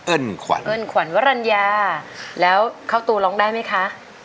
ขวัญเอิ้นขวัญวรรณญาแล้วเข้าตัวร้องได้ไหมคะ